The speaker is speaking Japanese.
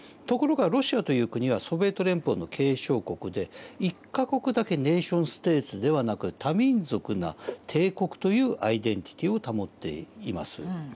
ところがロシアという国はソビエト連邦の継承国で１か国だけネーションステートではなく多民族な帝国というアイデンティティーを保っています。